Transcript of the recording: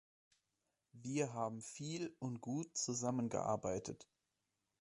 Wir haben viel und gut zusammengearbeitet.